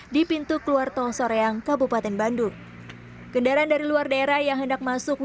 di pintu keluar tol soreang kabupaten bandung kendaraan dari luar daerah yang hendak masuk